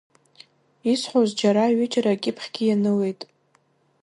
Исҳәоз џьара ҩыџьара акьыԥхьгьы ианылеит.